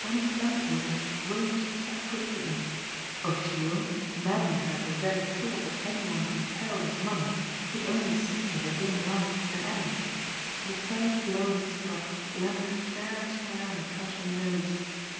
When he flung it open Williams stepped quickly in. O'Sheill maddened at the very thought that any one imperiled his money, could only see, in the dim light, an enemy. The first blow he struck landed fair and square on the Prussian nose.